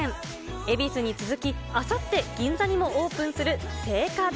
恵比寿に続き、あさって銀座にもオープンする青果堂。